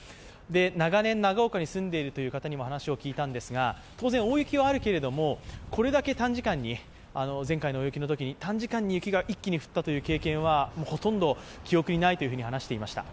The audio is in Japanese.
長年、長岡に住んでいる方にもお話を聞いたんですが、当然大雪はあるけれども、前回の大雪のときに短時間に降ったという経験はほとんど記憶にないと話していました。